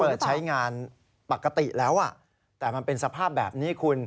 เปิดใช้งานปกติแล้วแต่มันเป็นสภาพแบบนี้คุณ